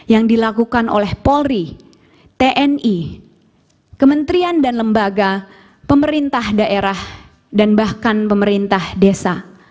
yang dilakukan oleh polri tni kementerian dan lembaga pemerintah daerah dan bahkan pemerintah desa